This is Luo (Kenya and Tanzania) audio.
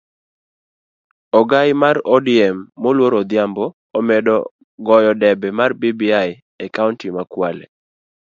Ogai mar odm moluor Odhiambo omedo goyo debe mar bbi e kaunti ma kwale